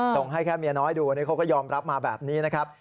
ส่งให้แค่เมียน้อยดูนี่เขาก็ยอมรับมาแบบนี้นะครับ